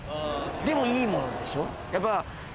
でもいいものでしょやっぱ。